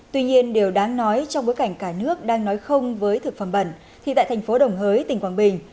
tuy nhiên điều đáng nói trong bối cảnh cả nước đang nói không với thực phẩm bẩn thì tại thành phố đồng hới tỉnh quảng bình